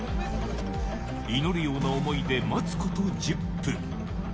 祈るような思いで待つこと１０分。